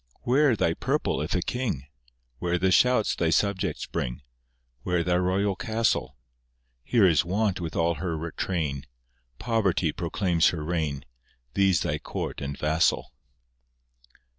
Where Thy purple if a King? Where the shouts Thy subjects bring? Where Thy royal castle? Here is want with all her train, Poverty proclaims her reign— These Thy court and vassal.